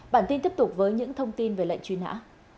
bản tin tiếp tục với những thông tin về lệnh truy nã